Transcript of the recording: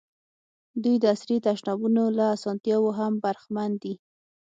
دوی د عصري تشنابونو له اسانتیاوو هم برخمن دي.